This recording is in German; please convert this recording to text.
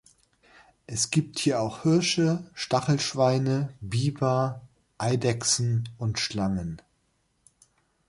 Es gibt hier auch Hirsche, Stachelschweine, Biber, Eidechsen und Schlangen.